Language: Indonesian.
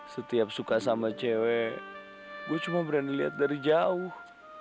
setiap suka sama cewek gue cuma berani lihat dari jauh